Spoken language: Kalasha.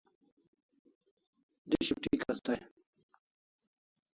Dish ut'ikas day